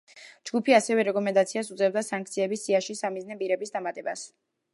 ჯგუფი ასევე რეკომენდაციას უწევდა სანქციების სიაში სამიზნე პირების დამატებას.